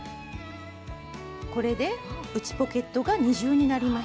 これで内ポケットが二重になりました。